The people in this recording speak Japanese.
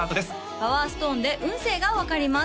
パワーストーンで運勢が分かります